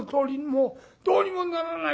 もうどうにもならないの。